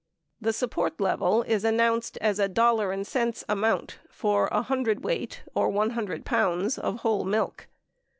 The support level is announced as a dollar and cents amount for a hundredweight (or 100 pounds) of whole milk.